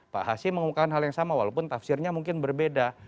pak hasim mengumumkan hal yang sama walaupun tafsirnya mungkin berbeda